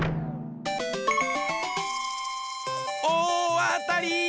おおあたり！